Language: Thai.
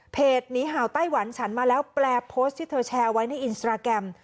หนีห่าวไต้หวันฉันมาแล้วแปลโพสต์ที่เธอแชร์ไว้ในอินสตราแกรม